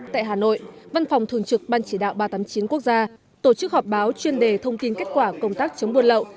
tại hà nội văn phòng thường trực ban chỉ đạo ba trăm tám mươi chín quốc gia tổ chức họp báo chuyên đề thông tin kết quả công tác chống buôn lậu